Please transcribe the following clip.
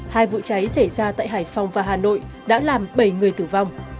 hai vụ cháy xảy ra tại hải phòng và hà nội đã làm bảy người tử vong